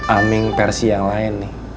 aming versi yang lain nih